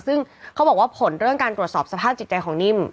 ซึ่งเขาบอกว่าผลเรื่องการตรวจสอบสภาพจิตใจของนิ่ม